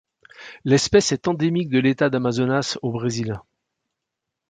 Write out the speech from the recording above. L'espèce est endémique de l'État d'Amazonas au Brésil.